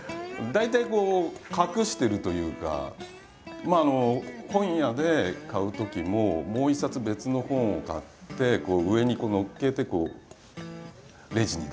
大体隠してるというかまあ本屋で買うときももう一冊別の本を買って上にのっけてレジに出すみたいなね。